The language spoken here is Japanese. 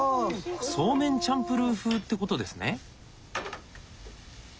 そうめんチャンプルー風って事ですね。